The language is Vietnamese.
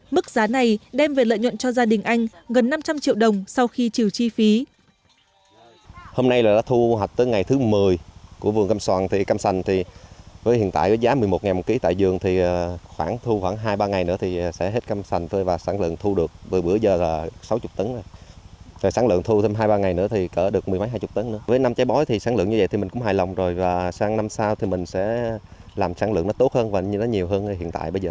mức giá này đem về lợi nhuận cho gia đình anh gần năm trăm linh triệu đồng sau khi chịu chi phí